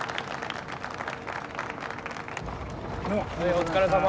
お疲れさま。